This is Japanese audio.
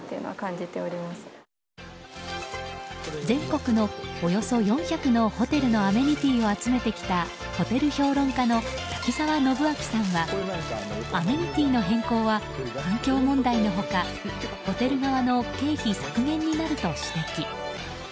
全国のおよそ４００のホテルのアメニティーを集めてきたホテル評論家の瀧澤信秋さんはアメニティーの変更は環境問題の他ホテル側の経費削減になると指摘。